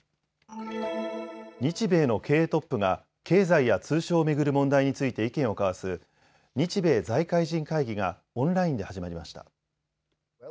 日米の経営トップが経済や通商を巡る問題について意見を交わす日米財界人会議がオンラインで始まりました。